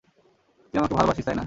তুই আমাকে ভালোবাসিস, তাইনা?